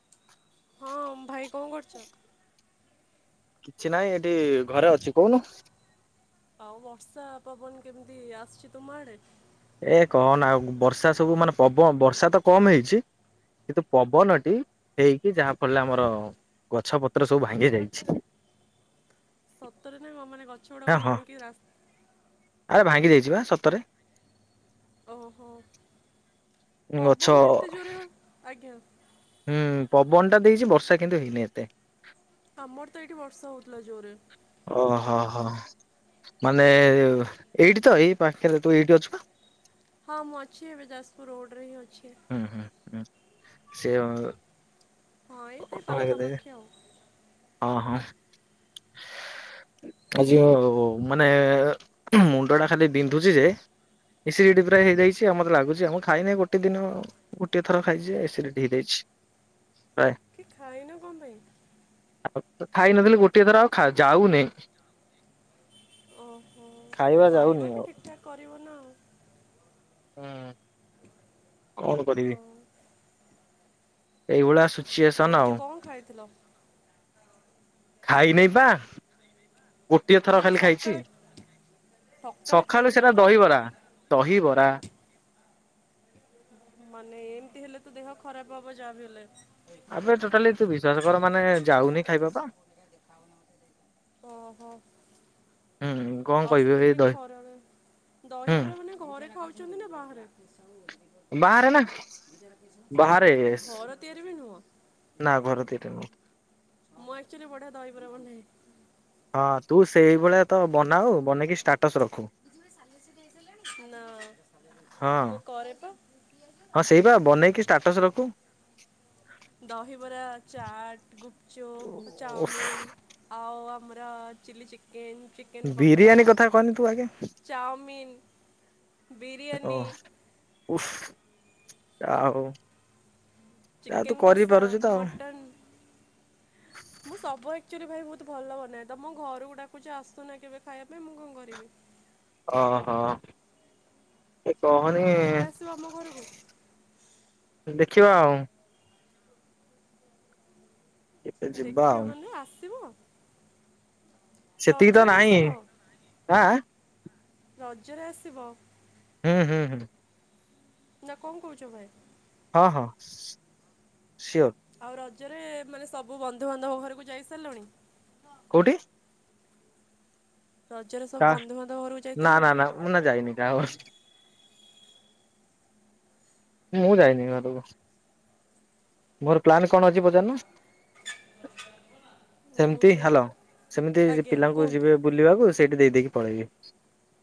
[unintelligible] ହଁ ଭାଇ କଣ କରୁଛ? କିଛି ନହିଁ ଏଠି ଘରେ ଅଛି କହୁନୁ। ଆଉ ବର୍ଷା ପବନ କେମିତି ଆସିଛି ତୁମ ଆଡେ। ଏ କହନ ଆଉ ବର୍ଷା ସବୁ ମାନେ ପବନ ବର୍ଷା ତ କମ ହେଇଛି କିନ୍ତୁ ପବନଟି ହେଇକି ଯାହାଫଳରେ ଆମର ଗଛ ପତ୍ର ସବୁ ଭାଙ୍ଗି ଯାଇଛି। ସତରେ ନଁ କ ମାନେ ଗଛ ହଁ ଗୁଡ଼କୁ ହଁ ହାଣିକି ରାସ୍ ଆରେ ଭାଙ୍ଗି ଦେଇଛିିବା ସତରେ। ଓହୋ। ଗଛ ପବନ ତ ଏତେ ଜୋରେ ଆଜ୍ଞା। ହୁଁ ପବନ ଟା ଦେଇଛି ବର୍ଷା କିନ୍ତୁ ହେଇନି ଏତେ। ଆମର ତ ଏଇଠି ବର୍ଷ ହଉଥିଲା ଜୋରେ। ହଁ ମାନେ ଏଇଠି ତ ଏଇ ପାଖରେ ତୁ ଏଇଠି ଅଛୁ କ ହଁ ମୁଆଛିି ଆବେଦସପୁର ରଡ ର ହଉ। ହୁଁ ହୁଁ ହୁଁ। ସେ ହଁ ଏଇ ତ ହଁ ପାଖାପାଖି ଆଉ। ଆଜି ମୋ ମାନେ ମୁଣ୍ଡ ଟା ଖାଲି ବିନ୍ଧୁଛି ଯେ ଏସିଡିଟି ପୁରା ହେଇଯାଇଛି ଆ ମତେ ଲାଗୁଛି ଆଉ, ମୁଁ ଖାଇ ନାହିଁ ଗୋଟେ ଦିନ ଗୋଟିଏ ଥର ଖାଇଛି ଏସିଡିଟି ହେଇଯାଇଛି। ପ୍ରାୟେ କିଏ ଖାାଇନ କଣ ପାଇଁ? ଆଉ ଖାଇ ନଥିଲି ଗୋଟିଏ ଥର ଆଉ ଯାଉନି। ଓହୋ ଯାଉନି ଖାଇବା ଆଉ। ଟେ ଠିକଠାକ୍ କରିବ ନାଉ। ହଁ। କଣ କରିବି? ହଁ ଏଇଭଳିଆ ସିଚୁଏସନ୍ ଆଜି ଆଉ। କଣ ଖାଇଥିଲ? ଖାଇ ନେଇପା। ଗୋଟିଏ ଥର ମାନେ ଖାଲି ଖାଇଛି, ସକାଳେ ସକାଳେ ସକାଳୁ ଖାଇଥିଲ ସେଟା ତ? ଦହିବରା ଦହିବରା। ମାନେ ଏମତି ହେଲେ ତ ଦେହ ଖରାପ ହବ ଯାହା ବି ହେଲେ। ଆବେ ଟୋଟାଲି ତୁ ବିଶ୍ଵାସ କର ମାନେ ଯାଉନି ଖାଇବାପା, ଓହୋ। ହୁଁ। କଣ ଆଉ କହିବି ଏଇ ସେଥିପାଇଁ ଦହି ଖରାବେ, ହୁଁ ଦହିବରା ମାନେ ଘରେ ଖାଉଛନ୍ତି ନା ବାହାରେ? ବାହାରେ ନା ବାହାରେ, ଘର ତିଆରି ବି ନୁହଁ ନା ଘର ତିଆରି ନୁହଁ। ମୁଁ ଏକଚୁଆଲି ବଢିଆ ଦହିବରା ବନାଏ। ହଁ ତୁ ସେଇଭଳିଆ ତ ବନାଉ, ବନେଇକି ଷ୍ଟାଟସ ରଖୁ। ନା ହଁ ମୁଁ କରେ ପା ହଁ ସେଇ ବା ବନେଇକି ଷ୍ଟାଟସ ରଖ ମୁଁ ଦହିବରା, ଚାଟ୍, ଗୁପଚୁପ୍, ଓଫ୍ ଚାଉମିିନ ଆଉ ଆମର ଅ chilli chicken. Chicken pakora biryani କଥା କୁହନି ତୁ ଆଗେ, ଚାଉମିନ୍ ବିରିୟାନୀ ଓହ ଉଫ। ଆଉ। ଚିକେନ କଷା, ମଟନ ମୁଁ ସବୁ ଆକଚୁଲି ଭାଇ ବହୁ ବହୁତ ଭଲ ବନାଏ ତମ ଘରକୁ ଡାକୁଛି ଆସୁନା କେବେ ଖାଇବା ପାଇଁ, ମୁଁ କଣ କରିବି? ହଁ ହଁ। କହନି କେବେ ଆସିବ ଆମ ଘରକୁ ଦେ ଦେଖିବା ଆଉ। କେବେ ଯିବା ଆଉ। ଦେଖିବମାନେ ଆସିବ। ସେତିକି ତ ରଜରେ ନାହିଁ, ଆସିବ ଆଁ ଆଁ। ରଜରେ ଆସିବ। ହୁଁ ହୁଁ ହୁଁ। ନା କଣ କହୁଛ ଭାଇ? ହଁ ହଁ ସିଓର। ଆଉ ରଜରେ ମାନେ ସବୁ ବନ୍ଧୁବାନ୍ଧବ ଘରକୁ ଯାଇ ସାରିଲୁଣି। କଉଠି? ରଜରେ ସବୁ କା ବନ୍ଧୁବାନ୍ଧବ ଘରକୁ ଯାଇ ନା ସାରିଲଣି ନା ନା ମୁନା ଯାଇନି କାହା ଘରକୁ ମୁଁ ଯାଇନି ଘରକୁ ମୋର ପ୍ଲାନ କଣ ଅଛି ପଚାରୁନ? ଉଁ ସେମତି ହୁଁ ହ୍ୟାଲୋ, ସେମିତି ଆଜ୍ଞା ପିଲାଙ୍କୁ କୁହନ୍ତୁ ଯିବେ ବୁଲିବାକୁ ସେଇଠି ଦେଇଦେଇକି ପଳେଇ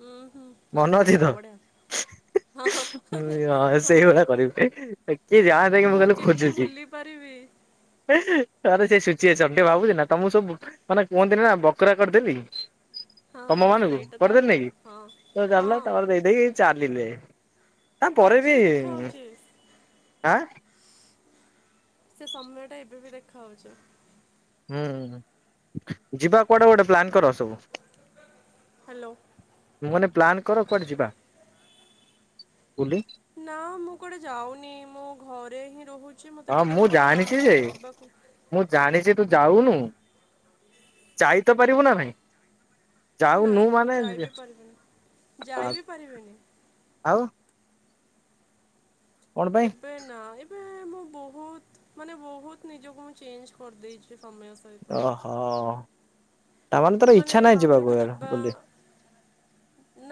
ଉଁ ହୁଁ ଆଉ ମନ ଅଛି ସେଇଆ ତ ବଢ଼ିଆ ହଁ ହଁ ସେଇଭଳିଆ କରିବି କିଏ ଯାଆନ୍ତା କି ମୁଁ ଖାଲି କେମିତି ଖୋଯିଚି। ଭୁଲି ପାରିବି ତାର ସେଇ ସି ସିଏ ସେମିତି ଭାବୁଛି ନା ତ ମୁଁ ସବୁ ମାନେ କୁହନ୍ତିନି ନା ବକରା କରିଦେଲି। ହଁ ତମ ମାନଙ୍କୁ ସେଇଟା ତ କରିଦେବି ନେଇକି ହଁ ତ ଚାଲୁନ ହଁ ତାପରେ ଦେଇଦେଇକି ଚାଲିଲେ। ଆ ପରେ ଆଜି ବି ଦେଖା ହଉଚି ଆଁ? ସେ ସମୟ ଟା ଏବେ ବି ଦେଖା ହଉଚି। ହଁ ଯିବା କୁଆଟା ଗୋଟେ ପ୍ଲାନ୍ କର ସବୁ। ହ୍ୟାଲୋ ମୁଁ କହିଲି ପ୍ଲାନ କର କୁଆଡେ ଯିବା। କୋଉଠି? ନା ମୁଁ କୁଆଡେ ଯାଉନି ମୁଁ ଘରେ ହିଁ ରହୁ ହଁ ମୁଁ ଜାଣିଛି ଯେ ମୁଁ ଜାଣିଛି ତୁ ଯାଉନୁ ଯାଇ ତ ପାରିବୁ ନା ନାଇଁ? ନା ଯାଉନୁ ମାନେ ଯାଇ ବିି ପାରିବିନି ଯାଇ ବିି ପାରିବିନି। ଆଉ କଣ ପାଇଁ ଏବେ ନା ଏବେ ମୁଁ ବହୁତ ମାନେ ବହୁତ ନିଜକୁ ମୁଁ ଚେଞ୍ଜ କରିଦେଇଛି। ସମୟ ସହିତ ଓହୋ। ତାମାନେ ତୋର ମାନେ ଇଚ୍ଛା ନାହିଁ ଯିବାକୁ ବାହାରକୁ ଇଆଡେ ଯିବା ବୁଲି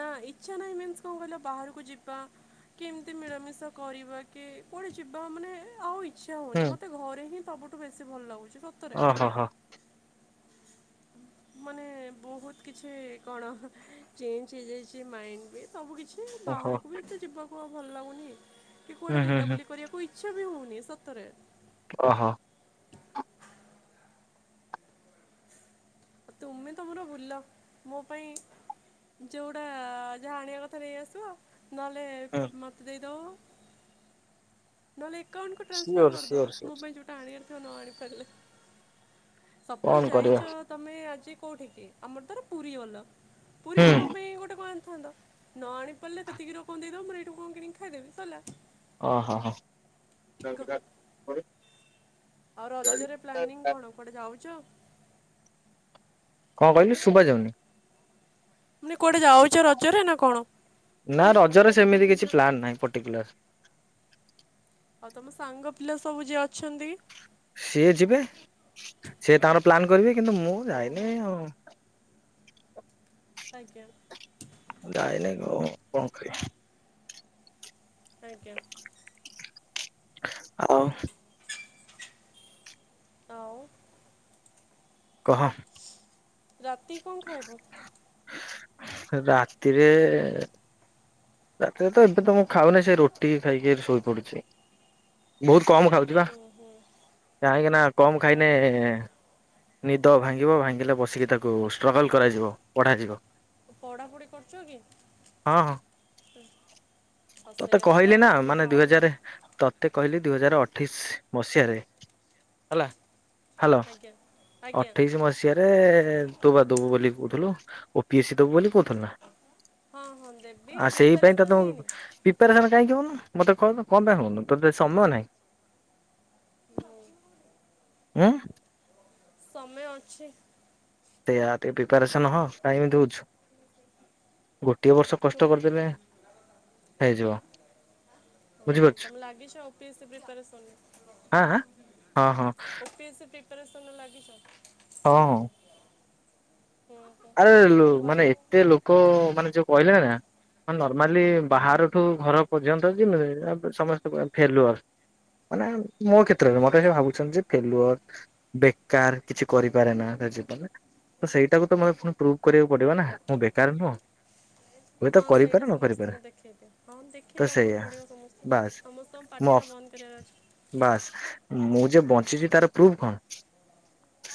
ନା ଇଚ୍ଛା ନାଇଁ ମିନ୍ସ କଣ କହିଲ ବାହାରକୁ ଯିବା କେମିତି ମିଳାମିଶା କରିବା କି କୁଆଡେ ଯିବା ମାନେ ଆଉ ଇ ଇଚ୍ଛା ହୁଁ ହଉନି ମତେ ଘରେ ହିଁ ସବୁଠୁ ବେଶୀ ଭଲ ଲାଗୁଛି। ସତରେ ଓହୋ ହ। ମାନେ ବହୁତ କିଛି କଣ ଚେଞ୍ଜ ହେଇଯାଇଛି ମାଇଣ୍ଡ ବି। ସବୁ କିଛି ଓହୋ ବାହାରକୁ ବି ଏତେ ଯିବାକୁ ପୁଅ ଭଲ ଲାଗୁନି କି ହୁଁ କୁଆଡେ ହୁଁ ବୁଲା ହୁଁ ବୁଲି କରିବାକୁ ଇଚ୍ଛା ବି ହଉ ଏ ସତରେ। ଓହ। ତୁମେ ତମର ବୁଲ ମୋ ପାଇଁ ଯୋଉଟା ଯାହା ଆଣିବା କଥା ନେଇଆସିବ ଆଉ। ହୁଁ ନେହେଲେ ମତେ ଦେଇଦବ। ନହେଲେ ଆକାଉଣ୍ଟକୁ ଟ୍ରାନ୍ସଫର୍ ସିଓର ସିଓର କରିଦବ ସିଓର ପାଇଁ ଯୋଉଟା ଆଣିବା ତ ନ ଆଣି ପାରଲେ। ସପୋଜ୍ କଣ କରିବା ଯାଇଚ ତମେ ଆଜି କୋଉଠି କି ଆମର ଧର ପୁରୀ ଗଲ। ପୁରୀରୁ ମୋ ହୁଁ ପାଇଁ ଗୋଟେ କଁ ଆ ଥାନ୍ତ ନଆଣି ପାରଲେ ସେତିକିର କଣ ଦେଇଦବ ମୋରୋ ଏଇଠୁ କଣ କିଣିକି ଖାଇଦେବି ସଇଲା। ଅହ ହଁ। [unintelligible] ଆଉ ରଜରେ ପ୍ଲାନିଙ୍ଗ କଣ କୁଆଡେ ଯାଉଚ? କଁ କହିଲୁ ଶୁଭା ଯାଉନି। ମାନେ କୁଆଡ଼େ ଯାଉଚ ରଜରେ ନାଁ କଣ? ପ୍ଲାନ ନାହିଁ ପର୍ଟିକୁଲାର। ଆଉ ତମ ସାଙ୍ଗ ପିଲା ସବୁ ଯିଏ ଅଛନ୍ତି? ସିଏ ଯିବେ ସିଏ ତାଙ୍କର ପ୍ଲାନ୍ କରିବେ। କିନ୍ତୁ ମୁଁ ଯାଇନି ଓହୋ ଆଉ। ଆଜ୍ଞା। ମୁଁ ଯାଇନେଇ ଅଉ କଣ ଖାଇବି? ଆଜ୍ଞା। ଆଉ ଆଉ କହ। ରାତି କି କଁ ଖାଇବ? ରାତିରେ ରାତିରେ ତ ଏବେ ତ ମୁଁ ଖାଉନେଇ ସେଇ ରୁଟି ଖାଇକି ଶୋଇ ପଡୁଛି ବୋହୁତ କମ୍ ଖାଉଚି ପା ହୁଁ ହୁଁ କାହିଁକି ନା କମ୍ ଖାଇନେ ଓହୋ ନିଦ ଭାଙ୍ଗିବ ଭାଙ୍ଗିଲେ ବସିକି ତାକୁ ଷ୍ଟ୍ରଗଲ କରାଯିବ ପଢାଯିବ। ଓ ପଢାପୁଢି କରୁଚ କି? ହଁ ହଁ [inaudible] ଆଉ ତତେ ସେଇଆ କହିଲି ନାଁ କମ୍ ଟିକେ ମାନେ ଦୁଇ ଖାଅ ହଜାରେ ନହେଲେ ତତେ କହିଲି ଦୁଇ ହଜାର ଅ ଅଠେଇଶ ମସିହାରେ ହେଲା ହାଲୋ ଆଜ୍ଞା ଆଜ୍ଞା ଅଠେଇଶି ମସିହାରେ ତୁ ବା ଦୋବୁ ବୋଲି କୋଉଥୁଲୁ। ଓ ପି ଏ ସି ଦବୁ ବୋଲି କୋଉ [unintelligible] ହଁ ହଁ ଦେବି ଆ ସେଇ ପାଇଁ ପ୍ରିପାରେସନ୍ ତତେ ମୁଁ ହେଇନି କାହିଁକି ହୋଉନୁ ମତେ କୋହୁନୁ କଁ ପାଇଁ ହୋଉନୁ ତତେ ସମୟ ନାହିଁ। ଉଁ। ସମୟ ଅଛି। ସେୟା ଟିକେ ପ୍ରିପାରେସନ୍ ହ କାହିଁକି ଏମିତି ହୋଉଚୁ। ଗୋଟିଏ ବର୍ଷ ତୁ କଷ୍ଟ କରିଦେଲେ ହେଇଯିବ ହଁ, ବୁଝିପାରୁଛୁ ତମେ ଲାଗିଛ ଓପିଏସ୍ସି ପ୍ରିପାରେସନ୍ରେ ଆଁ ଆଁ ହଁ ହଁ। [unintelligible] ଲାଗିଚ। ହଁ। ହଁ ଆଉ ହଁ ମାନେ ଭଲ ଏତେ ଲୋକ ମାନେ ଯୋଉ କହିଲେଣି ନା। ହ ନର୍ମାଲି ବାହାରଠୁ ଘର ପର୍ଯ୍ୟନ୍ତ ଯେ ସମସ୍ତଙ୍କର ଫେଲୁଅର୍ ମାନେ ମୋ କ୍ଷେତ୍ରରେ ମତେ ଭାବୁଛନ୍ତି ଯେ ଫେଲୁଅର୍ ବେକାର କିଛି କରିପାରେ ନା ତ ସେଇଟାକୁ [unintelligible] ପୁଣି ପ୍ରୁଭ କରିବାକୁ ପଡିବ ନା ମୁଁ ବେକାର ନୁହଁ। ହୁଏତ ହଁ କରିପାରେ ସେଇଟା ନ କରିପାରେ ସମସ୍ତଙ୍କୁ ଦେଖେଇଦିଅ ହଁ ଦେଖେଇ ତ ଦବାକୁ ସେଇଆ ପଡିବ ସମସ୍ତଙ୍କୁ ବାସ୍ ସମସ୍ତଙ୍କ ପାଟି ମୁଁ ଟା ବନ୍ଦ କରିବାର ଅଛି। ବାସ୍ ମୁଁ ଯେ ବଞ୍ଚିଛି ତାର ପ୍ରୁଫ କଣ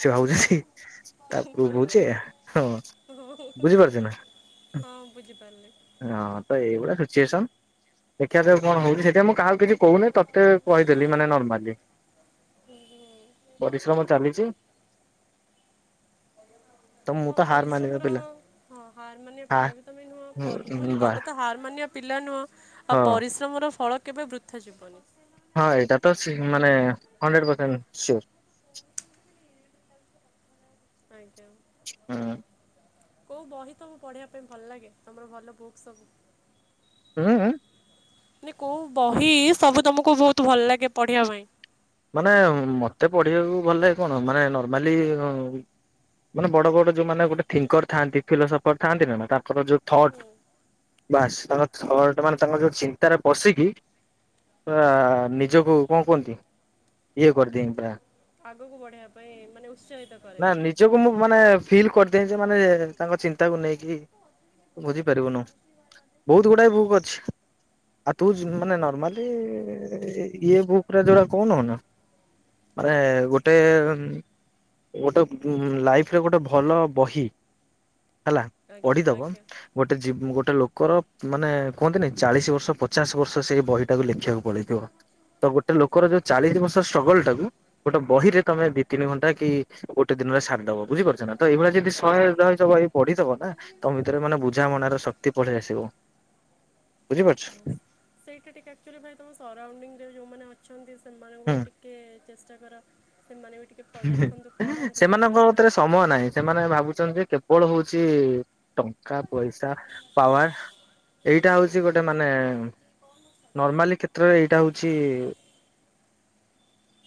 ସେ ଭାବୁଛି ସିଏ ତାକୁ କହୁଚି ହିଁ ହଁ ହଁ ବୁଝି ପାରିଲି। ହଁ ତ ଏଇଗୁଡ଼ା ସିଚୁଏସନ୍ ଦେଖିବା ଯେ କଣ ହଉଛି ସେଥିପାଇଁ ମୁଁ କାହାକୁ କିଛି କହୁନି ତୋତେ କହିଦେଲିି ମାନେ ନର୍ମାଲି। ପରିଶ୍ରମ ଚାଲିଛି। ତ ମୁଁ ହଁ ତ ହାର ମାନିବା ପରିଶ୍ରମର ପିଲା ହଁ ହାର ମାନିବା ହା ପିଲା ବି ତମେ ନୁହଁ। [unintelligible] ବା ତମେ ହାର ମାନିବା ପିଲା ନୁହଁ। ଆଉ ହଁ ପରିଶ୍ରମ ର ଫଳ କେବେ ବୃଥା ଜୀବନି। ହଁ ଏଇଟା ତ ସି ମାନେ ହଣ୍ଡ୍ରେଡ଼ ପରସେଣ୍ଟ ସିଓର। ଆଜ୍ଞା। ହ୍ନୁ। କଉ ବହି ତମକୁ ପଢ଼ିବା ପାଇଁ ଭଲ ଲାଗେ ତମର ଭଲ ବୁକ୍ସ ସବୁ? ହୁଁ ହୁଁ। ମାନେ କୋଉ ବହି ସବୁ ତମକୁ ବହୁତ ଭଲ ଲାଗେ ପଢିବା ପାଇଁ? ମାନେ ମୋତେ ପଢ଼ିବାକୁ ଭଲ ଲାଗେ କଣ ମାନେ ନର୍ମାଲି ହୁଁ ମାନେ ବଡ଼ ବଡ଼ ଯେଉମାନେ ଗୋଟେ ଥିଙ୍କର ଥାଆନ୍ତି ଫିଲୋସଫର ଥାଆନ୍ତି ନା ତାଙ୍କର ଯେଉଁ ଥଟ୍ ହୁଁ ବାସ୍ ତାଙ୍କର ଥଟ୍ ମାନେ ତାଙ୍କର ଯୋଉ ଚିନ୍ତାରେ ପସିକି ପୁରା ନିଜକୁ କଣ କୁହନ୍ତି। ଇଏ କରିଦେମି ପୁରା ଆଗକୁ ବଢେଇବା ପାଇଁ ମାନେ ଉତ୍ସାହିତ କରେ। ନା ନିଜକୁ ମୁଁ ମାନେ ଫିଲ୍ କରିଦିଏ ଯେ ମାନେ ତାଙ୍କ ଚିନ୍ତାକୁ ନେଇକି ବୁଝିପାରିବୁନୁ ବହୁତ ଗୁଡ଼ାଏ ବୁକ୍ ଅଛି। ଆଉ ତୁ ଯ ମାନେ ନର୍ମାଲି ଇଏ ବୁକ୍ ରେ ଯୋଉରା [unintelligible] ମାନେ ହଁ ଗୋଟେ ଗୋଟେ ଲାଇଫରେ ଗୋଟେ ଭଲ ବହି ହେଲା ଆଜ୍ଞା ପଢିଦବ ଆଜ୍ଞା ଗୋଟେ ଜୀବ୍ ଗୋ ଗୋଟେ ଲୋକର ମାନେ କୁହନ୍ତିନି ଚାଳିଶ ବର୍ଷ ପଚାଶ ବର୍ଷ ସେଇ ବହିଟାକୁ ଲେଖିବାକୁ ପଳେଇଥିବ ତ ଗୋଟେ ଲୋକ ର ଯୋଉ ଚାଳିଶ ବର୍ଷର ଷ୍ଟ୍ରଗଲ୍ ଟାକୁ ଗୋଟେ ବହିରେ ତମେ ଦି ତିନି ଘଣ୍ଟା କି ଗୋଟେ ଦିନରେ ସାରିଦବ ବୁଝିପାରୁଛ ନା? ତ ଏଇଭଳିଆ ଯଦି ଆ ଶହେ [inaudible] ପଢିଥବ ନା ତମ ଭିତରେ ମାନେ ବୁଝାମଣାର ଶକ୍ତି ପଳେଇ ଆସିବ। ବୁଝିପାରୁଛୁ? ସେଇଟା ଟିକେ ଆକ୍ଚୁଆଲି ଭାଇ ତମ ସରାଉଣ୍ଡିଂରେ ଯୋଉମାନେ ଅଛନ୍ତି ସେମାନଙ୍କୁ ହୁଁ ଭି ଟିକେ ଚେଷ୍ ଚ କର ସେମାନେ ବି ଟିକେ ପ ଦେଖନ୍ତୁ ପଢ଼ନ୍ତୁ ସେମାନଙ୍କ ଜାଣନ୍ତୁ ହାତରେ ସମୟ ନାହିଁ ସେମାନେ ଭାବୁଛନ୍ତି କେବଳ ହଉଛି ଟଙ୍କା ପଇସା ପାୱାର ଏଇଟା ହଉଛି ଗୋଟେ ମାନେ ନର୍ମାଲି କ୍ଷେତ୍ରରେ ଏଇଟା ହଉଛି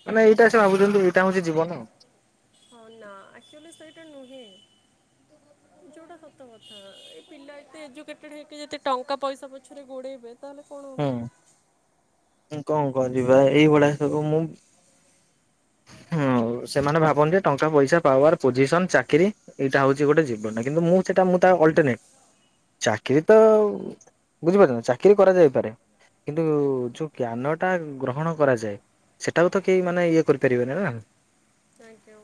ମାନେ ଏଇଟା ସେ ଭାବୁଛନ୍ତି ଏଇଟା ହଉଛି ଜୀବନ। ହଁ ନା ଆକ୍ଚୁଆଲି ସେଇଟା ନୁହେଁ ଯୋଉଟା ସତ କଥା ଏ ପିଲା ଏତେ ଏଜୁକେଟେଡ୍ ହେଇକି ଯେତେ ଟଙ୍କା ପଇସା ପଛରେ ଗୋଡେଇବେ ତାହେଲେ କଣ ହବ? ଆଉ। କଣ କଣ ଯିବା ଏଇଭଳିଆ ସବୁ ମୁଁ ହଁ ସେମାନେ ଭାବନ୍ତି ଟଙ୍କା ପଇସା ପାୱାର ପୋଜିସନ ଚାକିରୀ ଏଇଟା ହଉଛି ଗୋଟେ ଜୀବନ କିନ୍ତୁ ମୁଁ ସେଟା ମୁଁ ତା ଅଲଟରନେଟ୍ ଚାକିରୀ ତ ବୁଝିପାରୁଛ ନା ଚାକିରୀ କରାଯାଏ ପାରେ। କିନ୍ତୁ ଯୋଉ ଆଜ୍ଞା ଜ୍ଞାନ ଟା ଗ୍ରହଣ କରାଯାଏ ସେଟାକୁ ତ କେହି ମାନେ ଇଏ କରିପାରିବେନି ନା। ଆଜ୍ଞା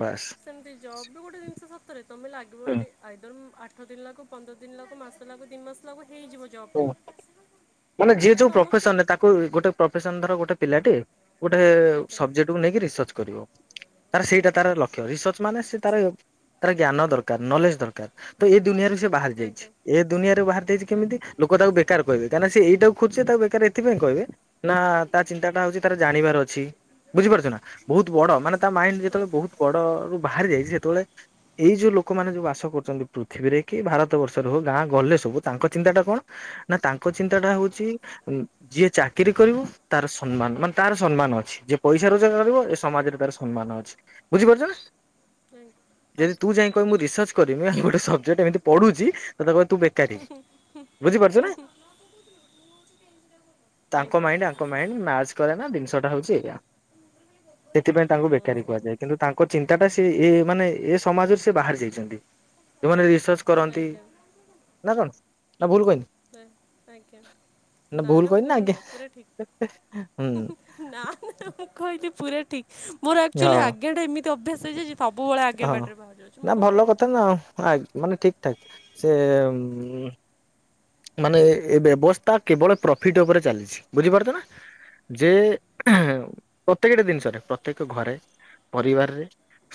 ବାସ୍। ସେମିତି ଜବ୍ ବି ଗୋଟେ ଜିନିଷ ସତରେ ତମେ ଲାଗିବ ଦି ଆଇଦର ଆଠ ଦିନ୍ ଲାଗୁ ପନ୍ଦର ଦିନ୍ ଲାଗୁ ମାସେ ଲାଗୁ ଦି ମାସ ଲାଗୁ ହେଇଯିବ ହୁଁ ଜବ୍ଟିଏ ମାନେ ଯିଏ ଯୋଉ ସମସ୍ତଙ୍କୁ ପ୍ରଫେସନରେ ତାକୁ ଗୋଟେ ପ୍ରଫେସନ ଧର ଗୋଟେ ପିଲାଟେ ଗୋଟେ ଆଜ୍ଞା ସବଜେକ୍ଟକୁ ନେଇକି ରିସର୍ଚ୍ଚ କରିବ ତାର ସେଇଟା ଆଜ୍ଞା ତାର ଲକ୍ଷ୍ୟ ରିସର୍ଚ୍ଚ ମାନେ ସେ ତାର ତାର ଜ୍ଞାନ ଦରକାର ନଲେଜ୍ ଦରକାର ତ ଏଇ ଦୁନିଆରେ ସେ ବାହାରି ଯାଇଛି ଆଜ୍ଞା ଏ ଦୁନିଆରେ ବାହାର ଯାଇଛି ଆଜ୍ଞା କେମିତି? ବେକାର କହିବେ କାରଣ ସେ ଏଇଟାକୁ ଖୋଜୁଛି ତାକୁ ବେକାର ଏଥିପାଇଁ କହିବେ ନା ତା ଚିନ୍ତାଟା ହଉଛି ତାର ଜାଣିବାର ଅଛି ବୁଝିପାରୁଛୁ ନା ବହୁତ ବଡ଼ ମାନେ ତା ମାଇଣ୍ଡ ଆଜ୍ଞା ଯେତେବେଳେ ଆଜ୍ଞା ବହୁତ ବଡ଼ରୁୁ ବାହାରି ଯାଇଛି ସେ ଯେତେବେଳେ ଏଇ ଯୋଉ ଲୋକମାନେ ଯୋଉ ବାସ କରୁଛନ୍ତି ପୃଥିବୀରେ କି ଭାରତ ବର୍ଷରେ ହଉ ଗାଁ ଗଲେ ସବୁ ତାଙ୍କ ଚିନ୍ତାଟା କଣ ନା ତାଙ୍କ ଚିନ୍ତାଟା ହଉଛି ଯିଏ ଚାକିରି କରିବ ତାର ସମ୍ମାନ ମାନେ ତାର ସମ୍ମାନ ଅଛି ଯିଏ ପଇସା ରୋଜଗାର କରିବ ଏ ସମାଜରେ ତାର ସମ୍ମାନ ଅଛି ବୁଝିପାରୁଛ ନା? [inaudible] ଆଜ୍ଞା ଯଦି ଆଜ୍ଞା ତୁ ଯାଇ କହିବୁ ମୁଁ ରିସର୍ଚ୍ଚ। [unintelligible] ସବ୍ଜେକ୍ଟ୍ ଏମିତି ପଢୁ଼ଛି ତତେ କହିବେ ତୁ ବେକାରୀ। [inaudible] ବୁଝିପାରୁଛୁ ନା [inaudible] ତାଙ୍କ ମାଇଣ୍ଡ୍ ୟାଙ୍କ ମାଇଣ୍ଡ୍ ମ୍ୟାଚ୍ କରେନା ଜି [unintelligible] ହଉଚି ଏଇଆ ସେଥିପାଇଁ ତାଙ୍କୁ ବେକାରୀ ଆଉ କୁହାଯାଏ। କିନ୍ତୁ ତାଙ୍କ ଚିନ୍ତାଟା ସେ ଏ ଏମାନେ ଏ ସମାଜରୁ ସେ ବାହାରି ଯାଇଚନ୍ତି। ଯଉମାନେ ରିସ୍ ସର୍ଚ୍ଚ କରନ୍ତି ଆଜ୍ଞା ନା କଣ? ନା ଭୁଲ କହିନି [inaudible] ଆଜ୍ଞା ନା ଭୁଲ ନା କହିନି ଭୁଲ୍ ଆଜ୍ଞା ନୁହଁ ପୁରା ଠିକ୍ ହୁଁ ହୁଁ ନା ନା ମୁଁ କହିଲି ପୁରା ଠିକ୍ ମୋର ଆକ୍ଚୁଆଲି ହଁ ଆଜ୍ଞାଟା ଏମିତ୍ ଅଭ୍ୟାସ ହେଇଯାଇ ଯେ ସବୁବେଳେ ଆଜ୍ଞା ହଁ ବାଡ୍ରେ ବାହାରି ଯାଉଛି। ନା ମୁଁ କଣ ଭଲ କରିବି? କଥା ନା ଆ ମାନେ ଠିକ୍ ଠାକ୍ ସେ ଉଁ ମାନେ ଏ ବ୍ୟବସ୍ଥା କେବଳ ପ୍ରଫିଟ ଉପରେ ଚାଲିଛି। ବୁଝିପାରୁଛ ନା ଯେ ଉହୁଁ ପ୍ରତ୍ୟେକଟି ଜିନିଷରେ ପ୍ରତ୍ୟେକ ଘରେ ପରିବାରରେ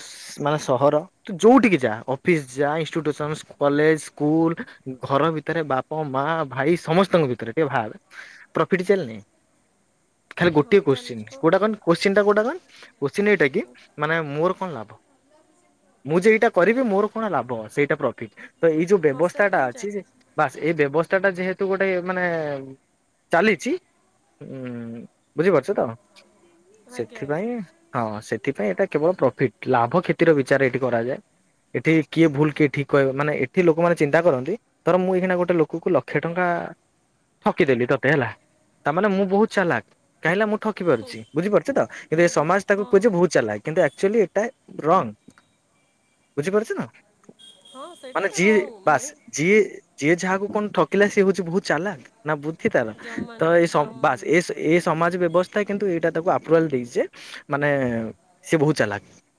ସି ମାନେ ସହର ତୁ ଯୋଉଠିକି ଯା ଅଫିସ ଯା ଇନଷ୍ଟି୍ଟୁସନ୍ସ, କଲେଜ, ସ୍କୁଲ, ଘର ଭିତରେ ବାପ୍ ମୋ ମା ଭାଇ ସମସ୍ତଙ୍କ ଭିତରେ ଟିକେ ଭାବେ ପ୍ରଫିଟି ଚାଲନି। ଖାଲି ଗୋଟେ ହଁ କୋଶ୍ଚିନ୍ ଚାଲିଛି ପା କୋଟା କନ୍ କୋଶ୍ଚିନ୍ଟା କଉଟା କନ୍? [inaudible] କୋଶ୍ଚିନ୍ ଏଇଟା କି ମାନେ ମୋର କଣ ଲାବ୍? ମୁଁ ଯେଇଟା କରିବି ଆଜ୍ଞା ମୋର କଣ ଲାବ ସେଇଟା ପ୍ର ଠିକ୍ ହା ତ ଏଇ ଯୋଉ ହଁ ବ୍ୟବସ୍ଥା ସେଇଟା ଟା ହିଁ ଅଛି ଯେ ଚାଲିଛି ବାସ୍ ବସ୍ତାଟା ଯେହେତୁ ଗୋଟେ ମାନେ ଏଁ ଚାଲିଛି ଉଁ ବୁଝିପାରୁଛ ତ? ଆଜ୍ଞା ସେଥିପାଇଁ ଆଜ୍ଞା ହଁ ସେଥିପାଇଁ ଏଟା କେବଳ ପ୍ରଫିଟ ଲାଭ କ୍ଷ ଥିର ବିଚାର ଏଠି କରାଯାଏ। ଏଠି କିଏ ଭୁଲ କିଏ ଠିକ୍ କହି ମାନେ ଏଠି ଲୋକମାନେ ଚିନ୍ତା କରନ୍ତି ଧର ମୁଁ ଏଇକ୍ଷିଣା ଗୋଟେ କୁକୁ ଲକ୍ଷେ ଟଙ୍କା ଆଜ୍ଞା ଠକିଦେଲି ତତେ ହେଲା ତାମାନେ ମୁଁ ବହୁତ ଚାଲାକ କାହିଁନା ମୁଁ ଠକି ପାରୁଛି ବୁଝିପାରୁଛ ତ କିନ୍ତୁ ଏ ସମାଜ ତାକୁ ହଁ କୁହେ ଯେ ବହୁତ ଚାଲାକ୍ କିନ୍ତୁ ଆକ୍ଚୁଆଲି ଏଟା ରଙ୍ଗ୍ ବୁଝିପାରୁଛ ନା? ହଁ ସେଇଟା ମାନେ ତ ଯିଏ ରଙ୍ଗ ବାସ୍ ମାନେ ଯିଏ ଯିଏ କାହାକୁ କଣ ଠକିଲା ସିଏ ହଉଛି ବହୁତ୍ ଚାଲାଖ୍। ନା ବୁଦ୍ଧି ତାର ଜମା ତ ନୁହଁ ଏ ସମ୍ ଜମା ବାସ୍ ନୁହଁ ଏସ୍ ଏ ସମାଜ ବେ ବସ୍ଥା କିନ୍ତୁ ଏଇଟା ତାକୁ ଆପ୍ରୁଆଲ୍ ଦେଇ ଯେ ମାନେ ସିଏ ବହୁତ ଚାଲାକ।